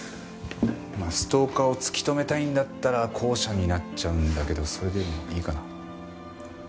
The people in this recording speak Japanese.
まあストーカーを突き止めたいんだったら後者になっちゃうんだけどそれでもいいかな？